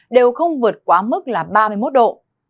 đều không vượt quá mức là ba mươi một độ